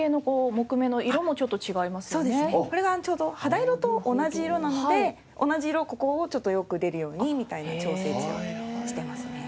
これがちょうど肌色と同じ色なので同じ色ここをちょっとよく出るようにみたいな調整をしてますね。